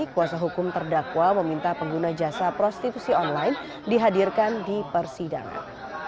kuasa hukum terdakwa meminta pengguna jasa prostitusi online dihadirkan di persidangan